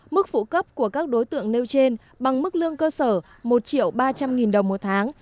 mức phụ cấp của các đối tượng nêu trên bằng mức lương cơ sở một ba trăm linh đồng một tháng